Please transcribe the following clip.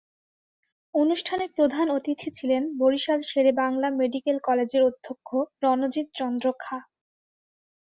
অনুষ্ঠানে প্রধান অতিথি ছিলেন বরিশাল শেরেবাংলা মেডিকেল কলেজের অধ্যক্ষ রণজিত্ চন্দ্র খাঁ।